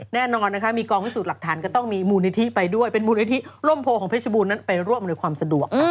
แน่นอนนะคะมีกองพิสูจน์หลักฐานก็ต้องมีมูลนิธิไปด้วยเป็นมูลนิธิร่มโพของเพชรบูรณนั้นไปร่วมอำนวยความสะดวก